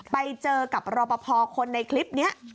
ไปเจอกับรอปภคนในคลิปนี้